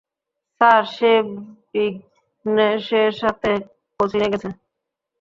Sir, সে বিঘ্নেশের সাথে কোচিনে গেছে।